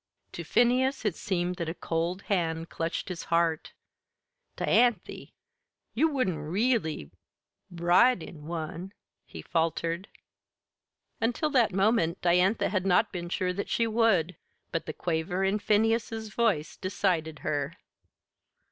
To Phineas it seemed that a cold hand clutched his heart. "Dianthy, you wouldn't really ride in one!" he faltered. Until that moment Diantha had not been sure that she would, but the quaver in Phineas's voice decided her.